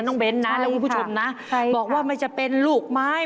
เบ้นนะแล้วคุณผู้ชมนะบอกว่าไม่จะเป็นลูกไม้